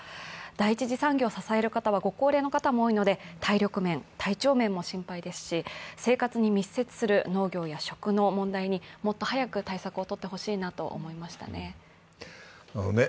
第１次産業を支える方はご高齢の方も多いので、体力面、体調面も心配ですし、生活に密接する農業や食の問題にもっと早く対策をとってほしいなと思いましたね。